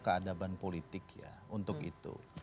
keadaban politik untuk itu